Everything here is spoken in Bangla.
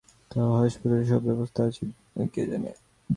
তাও হাসপাতালে সব ব্যবস্থা আছে কি না কে জানে।